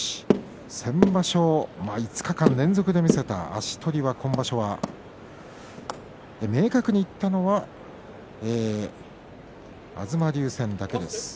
先場所、５日間連続で見せた足取りは今場所は明確にいったのは東龍戦だけです。